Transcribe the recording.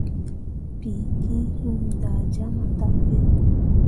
Piigi iŋ da jama dape.